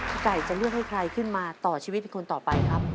ไก่จะเลือกให้ใครขึ้นมาต่อชีวิตเป็นคนต่อไปครับ